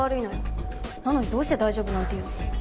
なのにどうして「大丈夫？」なんて言うの？